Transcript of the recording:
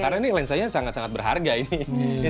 karena ini lensanya sangat sangat berharga ini